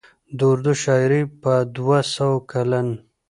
د اردو شاعرۍ په دوه سوه کلن